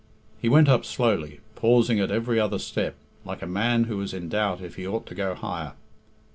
He went up slowly, pausing at every other step, like a man who was in doubt if he ought to go higher.